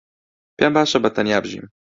پێم باشە بەتەنیا بژیم.